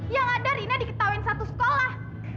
yang ada rina diketahui satu sekolah